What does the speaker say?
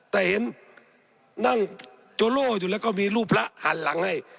แต่เห็นนั่งโจโล่อยู่แล้วก็มีรูปพระหันหลังให้